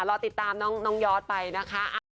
รอติดตามน้องยอดไปนะคะ